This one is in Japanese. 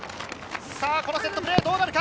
セットプレーどうなるか？